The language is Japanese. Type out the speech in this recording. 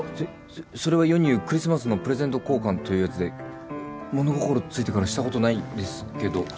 そそれは世に言うクリスマスのプレゼント交換というやつで物心ついてからしたことないんですけど。